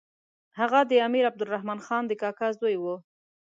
هغه د امیر عبدالرحمن خان د کاکا زوی وو.